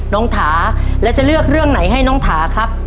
ถาแล้วจะเลือกเรื่องไหนให้น้องถาครับ